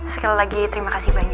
sekali lagi terima kasih banyak